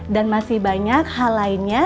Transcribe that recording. dan masih banyak hal lainnya